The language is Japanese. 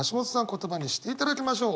言葉にしていただきましょう。